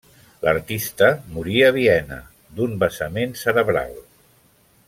L'artista morí a Viena, d'un vessament cerebral.